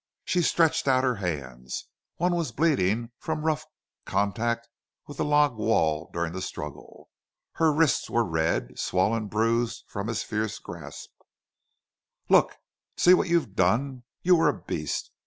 She stretched out her hands. One was bleeding from rough contract with the log wall during the struggle. Her wrists were red, swollen, bruised from his fierce grasp. "Look! See what you've done. You were a beast.